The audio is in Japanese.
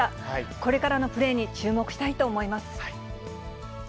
これからのプレーに注目したいと思います。